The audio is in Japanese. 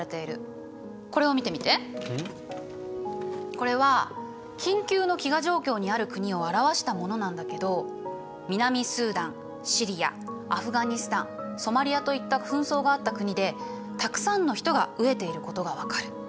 これは緊急の飢餓状況にある国を表したものなんだけど南スーダンシリアアフガニスタンソマリアといった紛争があった国でたくさんの人が飢えていることが分かる。